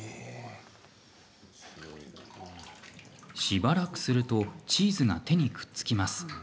しばらくするとチーズが手にくっつきます。